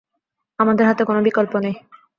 আমাদের হাতে কোনো বিকল্প নেই।